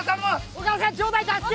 岡田さんちょうだいたすき！